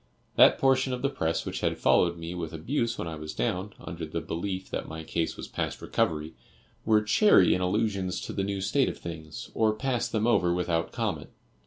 That portion of the press which had followed me with abuse when I was down, under the belief that my case was past recovery, were chary in allusions to the new state of things, or passed them over without comment.